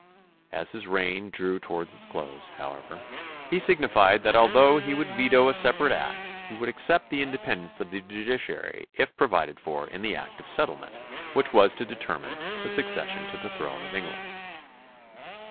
As his reign drew toward its close, however, he signified that al though he would veto a separate act he would accept the independence of the judiciary if provided for in the act of settlement which was to determine the suc cession to the throne of England.